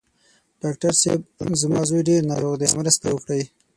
ډاکټر صېب! زما زوی ډېر ناروغ دی، مرسته وکړئ.